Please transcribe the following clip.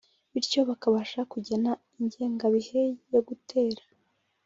bityo bakabasha kugena ingengabihe yo gutera